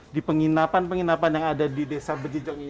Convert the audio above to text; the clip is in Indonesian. di penginapan penginapan yang ada di desa bejijong ini